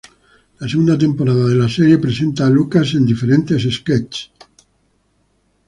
La segunda temporada de la serie presentaba a Lucas en diferentes sketchs.